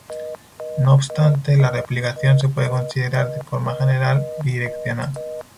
No obstante, la replicación se puede considerar, de forma general, bidireccional.